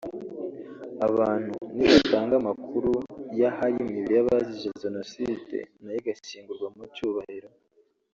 Abantu nibatanga amakuru y’ahari imibiri y’abazize Jenoside nayo igashyingurwa mu cyubahiro